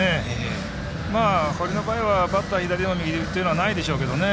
堀の場合はバッター左でも右でもというのはないでしょうけどね。